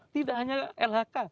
tidak hanya lhk